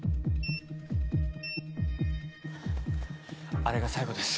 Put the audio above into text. あれが最後です。